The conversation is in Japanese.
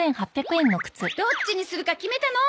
どっちにするか決めたの？